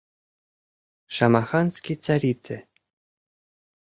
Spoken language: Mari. Шамаханский царице